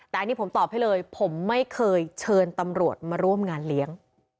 แต่อันนี้ผมตอบให้เลยผมไม่เคยเชิญตำรวจมาร่วมงานเลี้ยง